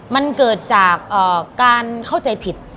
มันเกิดจากการเข้าใจผิด